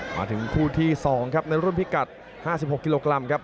มาถึงคู่ที่๒ครับในรุ่นพิกัด๕๖กิโลกรัมครับ